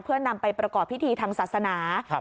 เพื่อนำไปประกอบพิธีทางศาสนา